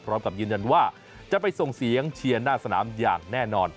พร้อมกับยืนยันว่าจะไปส่งเสียงเชียร์หน้าสนามอย่างแน่นอน